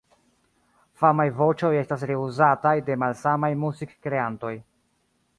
Famaj voĉoj estas reuzataj de malsamaj muzikkreantoj.